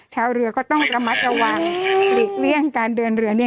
ชาวเรือก็ต้องระมัดระวังหลีกเลี่ยงการเดินเรือเนี่ย